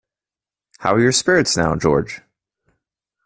How are your spirits now, George?